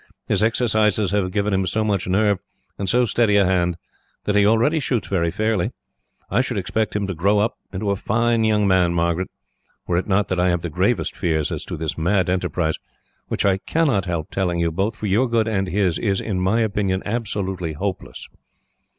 "His exercises have given him so much nerve, and so steady a hand, that he already shoots very fairly. I should expect him to grow up into a fine man, Margaret, were it not that I have the gravest fears as to this mad enterprise, which I cannot help telling you, both for your good and his, is, in my opinion, absolutely hopeless."